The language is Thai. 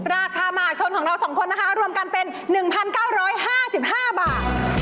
ราคามหาชนของเรา๒คนนะคะรวมกันเป็น๑๙๕๕บาท